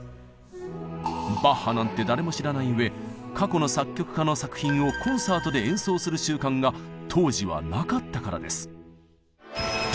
バッハなんて誰も知らないうえ過去の作曲家の作品をコンサートで演奏する習慣が当時はなかったからです。